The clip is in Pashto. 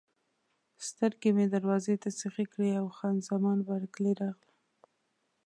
سترګې مې دروازې ته سیخې کړې او خان زمان بارکلي راغله.